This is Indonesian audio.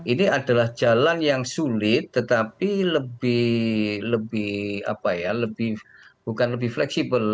ini adalah jalan yang sulit tetapi lebih bukan lebih fleksibel